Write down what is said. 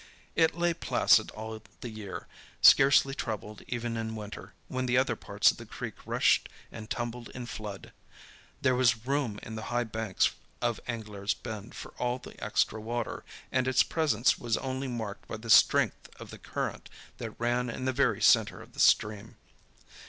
It lay placid all the year, scarcely troubled even in winter, when the other parts of the creek rushed and tumbled in flood. There was room in the high banks of Anglers' Bend for all the extra water, and its presence was only marked by the strength of the current that ran in the very centre of the stream.